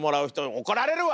怒られるわ！